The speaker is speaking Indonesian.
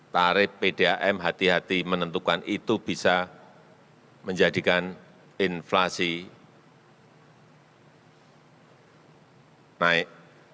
tarif pdam hati hati menentukan itu bisa menjadikan inflasi naik